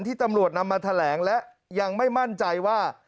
ตำรวจนำมาแถลงและยังไม่มั่นใจว่า